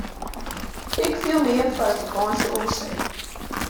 Ik fiel mear foar in fakânsje oan see.